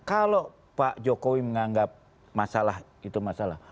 kalau pak jokowi menganggap masalah itu masalah